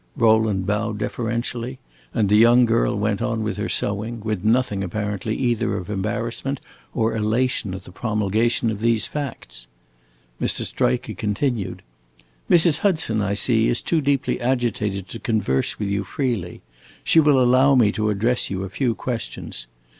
Rowland bowed deferentially, and the young girl went on with her sewing, with nothing, apparently, either of embarrassment or elation at the promulgation of these facts. Mr. Striker continued: "Mrs. Hudson, I see, is too deeply agitated to converse with you freely. She will allow me to address you a few questions.